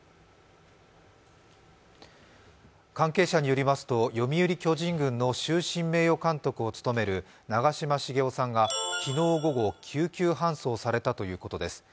関係者によりますと、読売巨人軍の終身名誉監督を務める長嶋茂雄さんが昨日午後、救急搬送されたということです。